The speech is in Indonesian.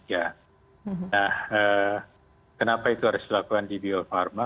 nah kenapa itu harus dilakukan di biofarma